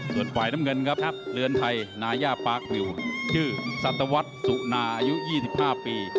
ส่วนฝ่ายน้ำเงินครับเรือนไทยนาย่าปาร์คริวชื่อสัตวรรษสุนาอายุ๒๕ปี